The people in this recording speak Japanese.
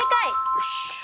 よし！